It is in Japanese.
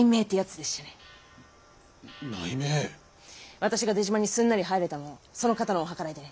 私が出島にすんなり入れたのもその方のお計らいでね。